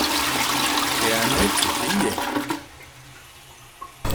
Et Annette riait.